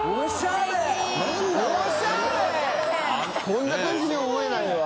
こんな感じに思えないわ。